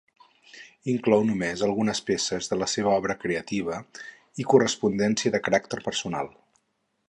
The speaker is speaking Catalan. Inclou només algunes peces de la seva obra creativa i correspondència de caràcter personal.